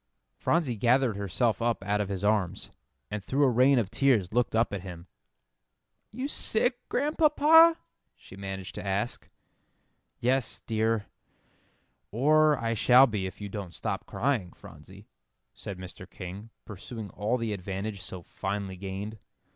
Phronsie gathered herself up out of his arms, and through a rain of tears looked up at him. "Are you sick, Grandpapa?" she managed to ask. "Yes, dear; or I shall be if you don't stop crying, Phronsie," said Mr. King, pursuing all the advantage so finely gained.